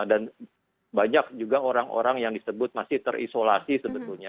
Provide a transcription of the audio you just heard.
dan banyak juga orang orang yang disebut masih terisolasi sebetulnya